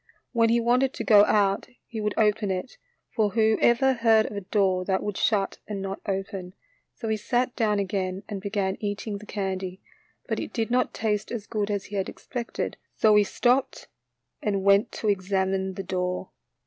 When he wanted to go out he would open it, for who ever heard of a door that would shut and not open, so he sat down again and began eating the candy, but it did not taste as good as he had expected, so he stopped and went to examine the door.